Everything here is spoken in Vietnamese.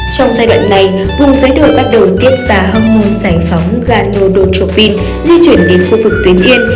trong giai đoạn này vùng giới đội bắt đầu tiết ra hông môn giải phóng ganodotropin di chuyển đến khu vực tuyến yên